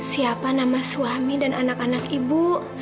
siapa nama suami dan anak anak ibu